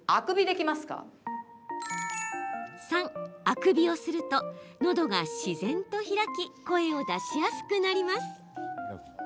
３、あくびをするとのどが自然と開き声を出しやすくなります。